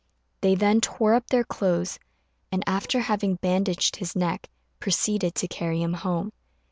They then tore up their clothes, and, after having bandaged his neck, proceeded to carry him home.